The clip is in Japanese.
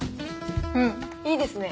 うんいいですね